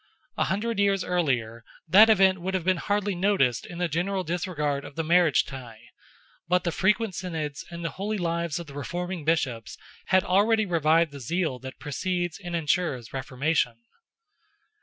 A hundred years earlier, that event would have been hardly noticed in the general disregard of the marriage tie, but the frequent Synods, and the holy lives of the reforming Bishops, had already revived the zeal that precedes and ensures reformation.